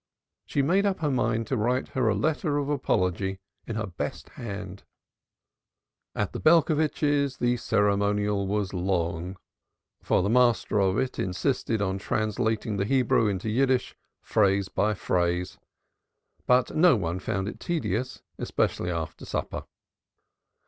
She made up her mind to write her a letter of apology in her best hand. At the Belcovitches' the ceremonial was long, for the master of it insisted on translating the Hebrew into jargon, phrase by phrase; but no one found it tedious, especially after supper.